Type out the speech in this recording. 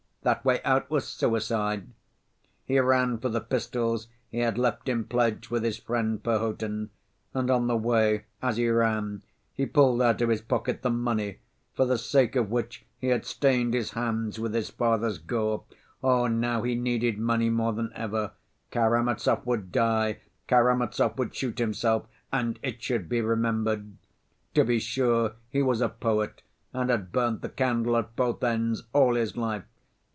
That way out was suicide. He ran for the pistols he had left in pledge with his friend Perhotin and on the way, as he ran, he pulled out of his pocket the money, for the sake of which he had stained his hands with his father's gore. Oh, now he needed money more than ever. Karamazov would die, Karamazov would shoot himself and it should be remembered! To be sure, he was a poet and had burnt the candle at both ends all his life.